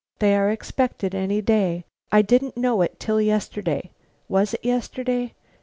"They are expected any day. I didn't know it till yesterday was it yesterday?